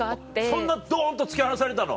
そんなどんと突き放されたの？